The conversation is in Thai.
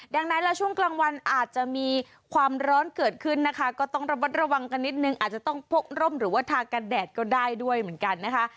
ดังนั้นแล้วช่วงกลางวันอาจจะมีความร้อนเกิดขึ้นนะคะก็ต้องระบัดระวังกันนิดนึงอาจจะต้องพกร่มหรือว่าทากันแดดก็ได้ด้วยเหมือนกันนะคะ